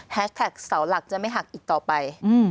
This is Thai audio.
แท็กเสาหลักจะไม่หักอีกต่อไป